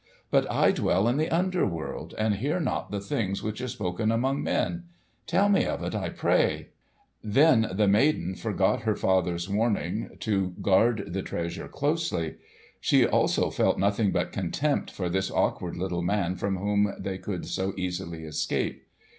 "But I dwell in the under world and hear not the things which are spoken among men. Tell me of it, I pray." Then the maiden forgot her father's warning to guard the treasure closely. She also felt nothing but contempt for this awkward little man from whom they could so easily escape.